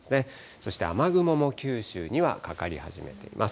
そして雨雲も九州にはかかり始めています。